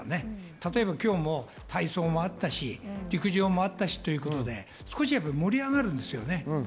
例えば今日も体操もあったし、陸上もあったし、やっぱり盛り上がるんですよね。